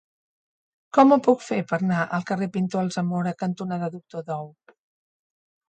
Com ho puc fer per anar al carrer Pintor Alsamora cantonada Doctor Dou?